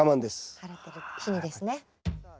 晴れてる日にですね。